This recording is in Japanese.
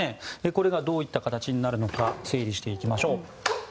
これがどういった形になるのか整理していきましょう。